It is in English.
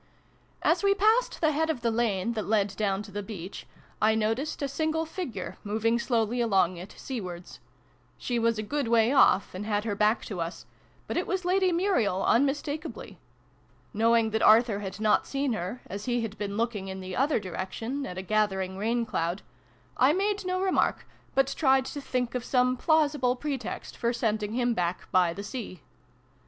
As we passed the head of the lane that led down to the beach, I noticed a single figure, moving slowly along it, seawards. She was a good way off, and had her back to us : but it was Lady Muriel, unmistakably. Knowing that Arthur had not seen her, as he had been looking, in the other direction, at a gathering rain cloud, I made no remark, but tried to think of some plausible pretext for sending him back by the sea.